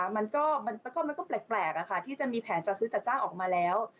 มันก็แปลกที่จะมีแผนจัดซื้อจัดจ้างออกมาแล้ว